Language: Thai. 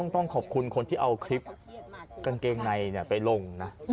ต้องขอบคุณคนที่เอาคลิปกางเกงในไปลงนะ